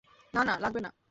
না, না, লাগবে না!